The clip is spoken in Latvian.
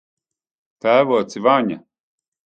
Tēvoci Vaņa!